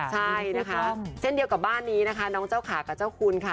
ใช่นะคะเช่นเดียวกับบ้านนี้นะคะน้องเจ้าขากับเจ้าคุณค่ะ